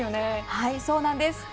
はいそうなんです。